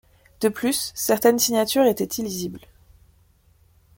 De plus, certaines signatures étaient illisibles.